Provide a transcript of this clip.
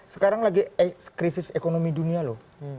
sekarang lagi krisis ekonomi dunia loh